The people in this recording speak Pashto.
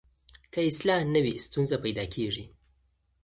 که اصلاح نه وي ستونزه پیدا کېږي.